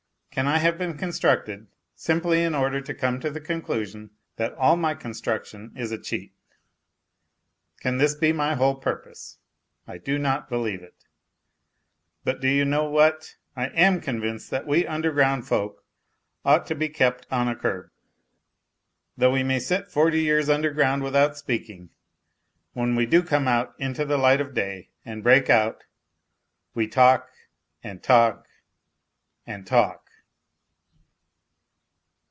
Can I have been constructed simply in order to come to the conclusion that all my construction is a cheat ? Can this be my whole purpose ? I do not believe it. But do you know what : I am convinced that we underground folk ought to be kept on a curb. Though we may sit forty years underground without speaking, when we do come out into the light of day and break out we talk and talk and talk.